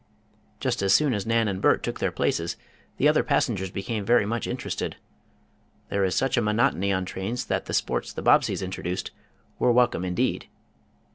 Just as soon as Nan and Bert took their places, the other passengers became very much interested. There is such a monotony on trains that the sports the Bobbseys introduced were welcome indeed.